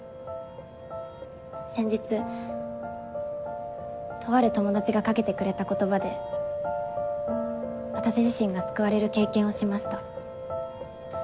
先日とある友達がかけてくれた言葉で私自身が救われる経験をしました。